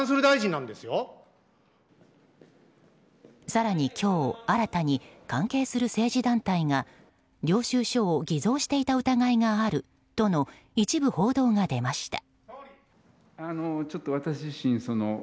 更に今日、新たに関係する政治団体が領収書を偽造していた疑いがあるとの一部報道が出ました。